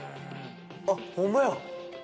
あっホンマや。